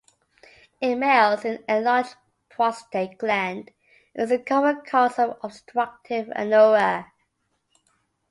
In males, an enlarged prostate gland is a common cause of obstructive anuria.